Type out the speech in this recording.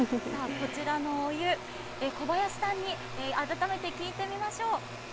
こちらのお湯、古林さんに改めて聞いてみましょう。